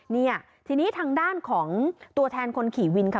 เนี่ยทีนี้ทางด้านของตัวแทนคนขี่วินค่ะ